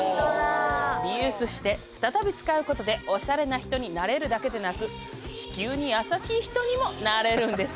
リユースして再び使うことでおしゃれな人になれるだけでなく地球に優しい人にもなれるんです！